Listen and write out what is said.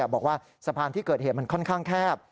บอกว่าสะพานที่เกิดเหตุมันค่อนข้างแคบ